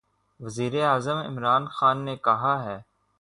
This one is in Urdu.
وزیراعظم عمران خان نے کہا ہے